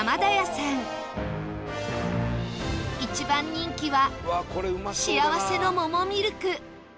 一番人気は幸せの桃みるく